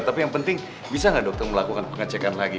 tapi yang penting bisa nggak dokter melakukan pengecekan lagi